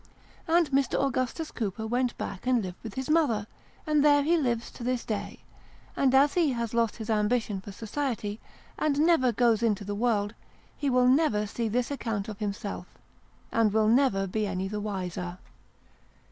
And Mr. Augustus Cooper went back and lived with his mother, and there he lives to this day ; and as he has lost his ambition for society, and never goes into the world, he will never see this account of himself, and will never be any the wiser.